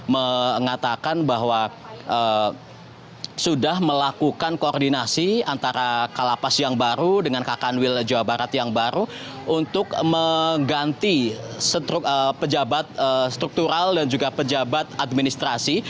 mengatakan bahwa sudah melakukan koordinasi antara kalapas yang baru dengan kakanwil jawa barat yang baru untuk mengganti pejabat struktural dan juga pejabat administrasi